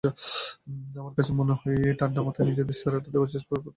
আমার কাছে মনে হয়, ঠান্ডা মাথায় নিজেদের সেরাটা দেওয়ার চেষ্টা করতে হবে।